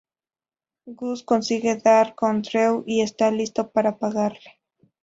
Gus consigue dar con Drew y está listo para pegarle.